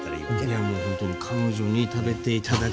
いやもうほんとに「彼女に食べて頂きたい」。